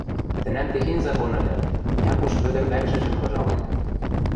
Тӹнӓм техень закон ыльы: Якуш Вӧдӹр вӓкшӹжӹм выжален.